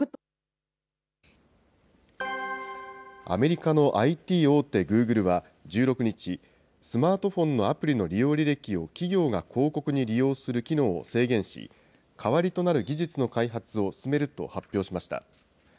アメリカのＩＴ大手、グーグルは１６日、スマートフォンのアプリの利用履歴を企業が広告に利用する機能を制限し、代わりとなる技術の開発を進めると発表しました。